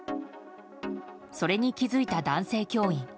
それに気づいた男性教員。